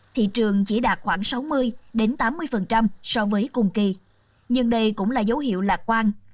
thị trường chỉ đạt khoảng sáu mươi tám mươi so với cùng kỳ nhưng đây cũng là dấu hiệu lạc quan